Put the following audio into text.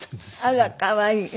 あら可愛い。